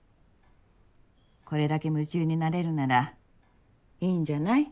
これだけ夢中になれるならいいんじゃない？